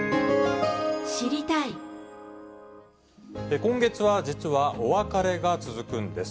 今月は実はお別れが続くんです。